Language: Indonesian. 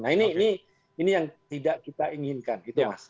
nah ini yang tidak kita inginkan gitu mas